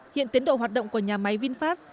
hiện tiến độ hoạt động của nhà máy vinfast